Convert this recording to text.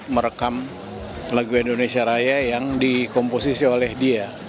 merekam lagu indonesia raya yang dikomposisi oleh dia